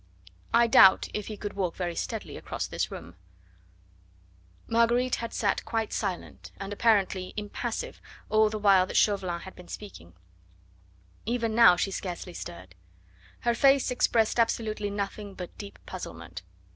I doubt if he could walk very steadily across this room " Marguerite had sat quite silent and apparently impassive all the while that Chauvelin had been speaking; even now she scarcely stirred. Her face expressed absolutely nothing but deep puzzlement.